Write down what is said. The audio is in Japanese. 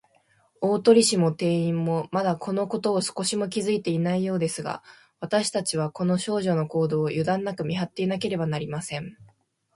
大鳥氏も店員も、まだ、このことを少しも気づいていないようですが、わたしたちは、この少女の行動を、ゆだんなく見はっていなければなりません。